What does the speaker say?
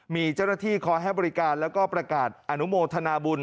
มีเจ้าหน้าที่คอยให้บริการแล้วก็ประกาศอนุโมทนาบุญ